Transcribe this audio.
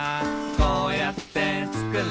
「こうやってつくる